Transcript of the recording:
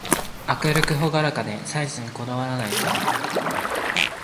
明るくほがらかで、細事にこだわらないさま。